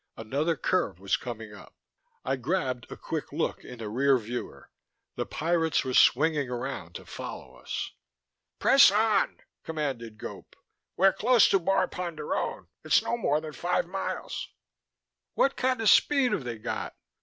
Another curve was coming up. I grabbed a quick look in the rear viewer: the pirates were swinging around to follow us. "Press on!" commanded Gope. "We're close to Bar Ponderone; it's no more than five miles " "What kind of speed have they got?"